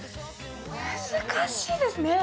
難しいですね。